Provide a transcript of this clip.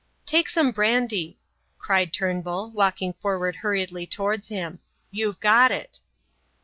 "Take some brandy," cried Turnbull, walking forward hurriedly towards him. "You've got it."